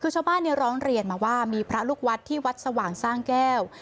คือชาวบ้านร้องเรียนมาว่ามีพระลูกวัดที่วัดสว่างสร้างแก้ว